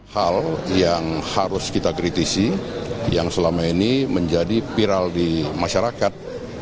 hal yang harus kita kritisi yang selama ini menjadi viral di masyarakat